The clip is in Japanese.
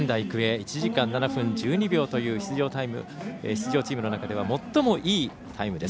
１時間７分１２秒という出場チームの中では最もいいタイムです。